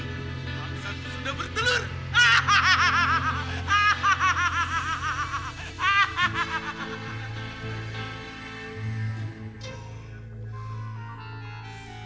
raksasa sudah bertelur